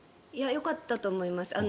よかったと思います。